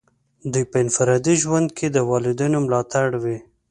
دوی په انفرادي ژوند کې د والدینو ملاتړ وي.